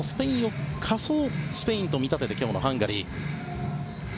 仮想スペインと見立てて今日のハンガリー戦です。